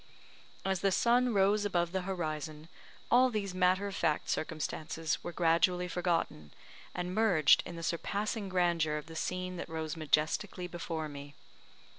As the sun rose above the horizon, all these matter of fact circumstances were gradually forgotten, and merged in the surpassing grandeur of the scene that rose majestically before me.